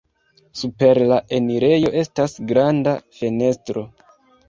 Super la enirejo estas granda fenestro.